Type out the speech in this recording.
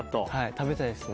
食べたいですね。